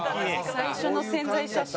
最初の宣材写真。